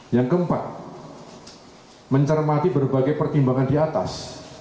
yang keempat mencermati berbagai pertimbangan di atas